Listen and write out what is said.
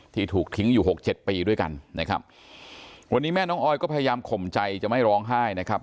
ถูกทิ้งอยู่หกเจ็ดปีด้วยกันนะครับวันนี้แม่น้องออยก็พยายามข่มใจจะไม่ร้องไห้นะครับ